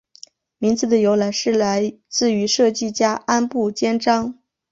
名字的由来是来自于设计家安部兼章。